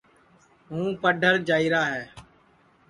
ہوں پڈھر جائیرا ہے